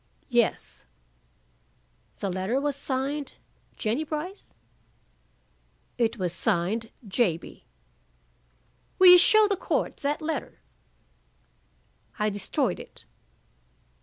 "Yes." "The letter was signed 'Jennie Brice'?" "It was signed 'J.B.'" "Will you show the court that letter?" "I destroyed it."